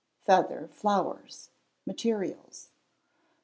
Feather Flowers: Materials.